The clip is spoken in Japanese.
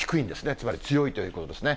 つまり強いということですね。